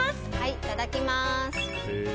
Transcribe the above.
いただきます。